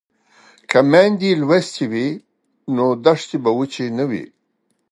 که میندې لوستې وي نو دښتې به وچې نه وي.